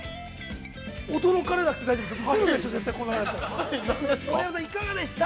驚かれなくて大丈夫ですよ。